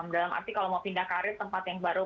dalam arti kalau mau pindah karir tempat yang baru